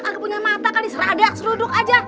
kalo punya mata kali seradak seluduk aja